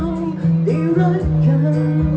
อีฟังมั้ย